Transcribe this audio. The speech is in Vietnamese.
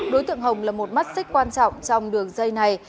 đối tượng hồng là một mắt xích quan trọng trong đường dây này